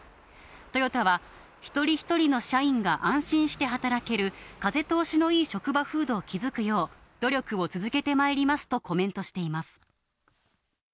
トヨタは、一人一人の社員が安心して働ける風通しのいい職場風土を築くよう、努力を続けてまいりますとコメントしています。